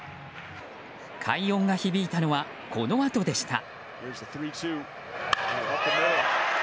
快音が響いたのはこのあとでした。